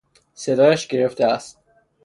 صدایش گرفته است.